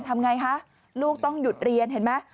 ทำไงคะลูกต้องหยุดเรียนเห็นไหม